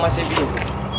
gue masih bingung